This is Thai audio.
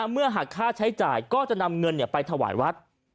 เมื่อหักค่าใช้จ่ายก็จะนำเงินไปถวายวัด